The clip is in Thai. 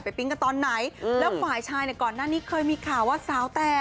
ปิ๊งกันตอนไหนแล้วฝ่ายชายเนี่ยก่อนหน้านี้เคยมีข่าวว่าสาวแต่